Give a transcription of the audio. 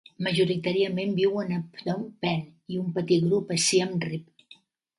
Majoritàriament viuen a Phnom Penh i un petit grup, a Siam Reap.